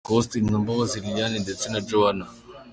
Uncle Austin na Mbabazi Liliane ndetse na Joanah.